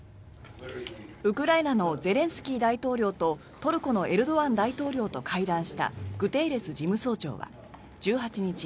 ウクライナのゼレンスキー大統領とトルコのエルドアン大統領と会談したグテーレス事務総長は１８日